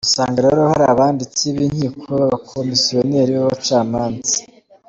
Usanga rero hari abanditsi b’inkiko b’abakomisiyoneri b’abacamanza.